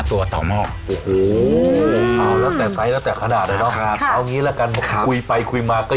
อันนี้มีหอมกด้วยใช่ไหมค่ะค่ะหอมกด้วยมาชอนแท้ค่ะ